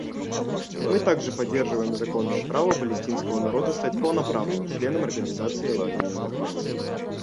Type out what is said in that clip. Мы также поддерживаем законное право палестинского народа стать полноправным членом Организации Объединенных Наций.